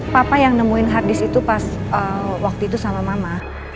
papa yang nemuin hardis itu pas waktu itu sama mama